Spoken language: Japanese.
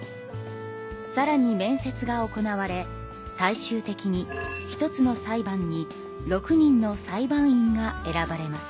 さらに面接が行われ最終的に１つの裁判に６人の裁判員が選ばれます。